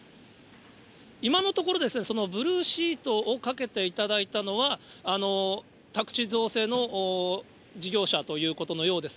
今のところ、そのブルーシートをかけていただいたのは、宅地造成の事業者ということのようです。